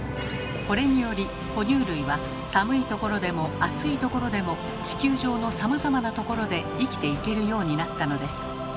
これにより哺乳類は寒いところでも暑いところでも地球上のさまざまなところで生きていけるようになったのです。